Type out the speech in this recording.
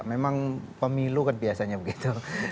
memang pemilu kan biasanya begitu